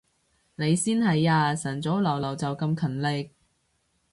你先係啊，晨早流流就咁勤力